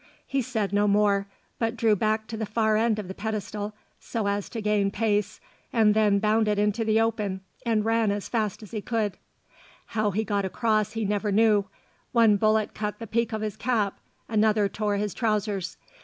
He said no more, but drew back to the far end of the pedestal, so as to gain pace, and then bounded into the open and ran as fast as he could run. How he got across he never knew. One bullet cut the peak of his cap, another tore his trousers.